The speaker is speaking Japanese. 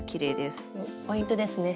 ポイントですね。